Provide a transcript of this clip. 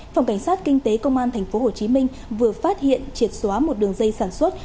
phòng cảnh sát kinh tế công an tp hcm vừa phát hiện triệt xóa một đường dây sản xuất